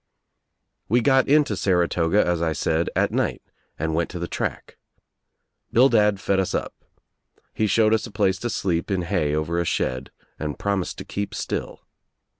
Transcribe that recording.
We got into Saratoga as I said at night and went to the track. Bildad fed us up. He showed us a place to sleep in hay over a shed and promised to keep still.